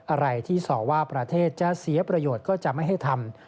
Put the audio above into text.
อะไรที่ส่อว่าประเทศจะเสียประโยชน์ก็จะไม่ให้ทำ